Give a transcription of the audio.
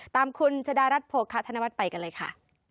ตามคุณจดารัสโภคค่ะท่านนาวัดไปกันเลยค่ะ